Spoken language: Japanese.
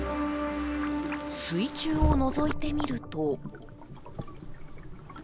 水中をのぞいてみると。